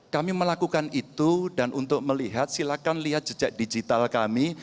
kami melakukan itu dan untuk melihat silakan lihat jejak digital kami